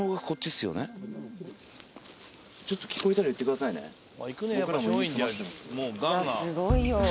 すごいよ。